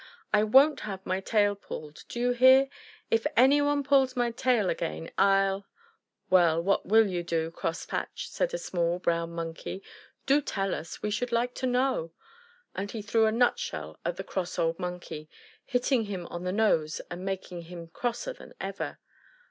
"I won't have my tail pulled, do you hear? If any one pulls my tail again, I'll " "Well, what will you do, Crosspatch?" said a small brown Monkey. "Do tell us; we should like to know." And he threw a nut shell at the cross old Monkey, hitting him on the nose and making him crosser than ever.